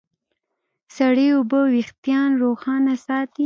سړې اوبه وېښتيان روښانه ساتي.